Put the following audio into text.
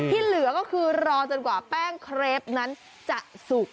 เหลือก็คือรอจนกว่าแป้งเครปนั้นจะสุก